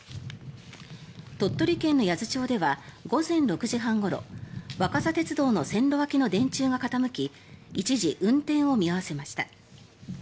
鳥取県の八頭町では午前６時半ごろ若桜鉄道の線路脇の電柱が傾き一時、運転を見合わせました。